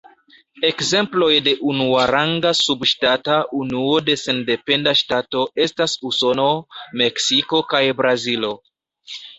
Ekzemploj de unuaranga subŝtata unuo de sendependa ŝtato estas Usono, Meksiko kaj Brazilo.